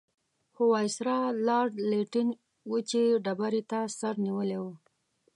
خو وایسرا لارډ لیټن وچې ډبرې ته سر نیولی وو.